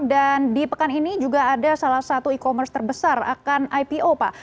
dan di pekan ini juga ada salah satu e commerce terbesar akan ipo pak